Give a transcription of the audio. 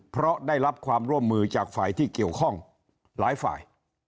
เพราะได้รับความร่วมมือจากฝ่ายที่เกี่ยวข้องหลายฝ่าย